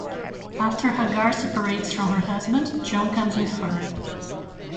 After Hagar separates from her husband, John comes with her.